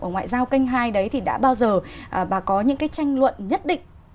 ngoại giao kênh hai đấy thì đã bao giờ bà có những cái tranh luận nhất định